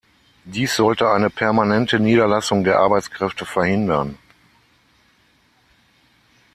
Dies sollte eine permanente Niederlassung der Arbeitskräfte verhindern.